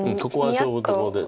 ここは勝負どころで。